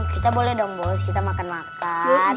kita boleh dong bos kita makan makan